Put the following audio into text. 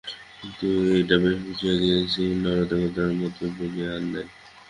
কিন্তু এটা বেশ বুঝা গিয়াছিল, নরদেবতার মতো বালাই আর নেই।